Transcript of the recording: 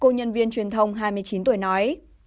nhân viên truyền thông hai mươi chín tuổi nói